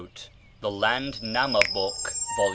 ("The Landnamabok," vol.